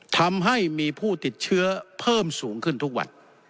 ทำให้มีผู้ติดเชื้อเพิ่มสูงขึ้นทุกวัน